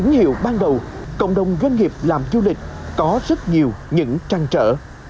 và những hiệu ban đầu cộng đồng doanh nghiệp làm du lịch có rất nhiều những trăn trở